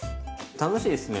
楽しいですね。